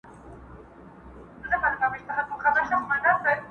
که دښمن لرې په ښار کي راته وایه!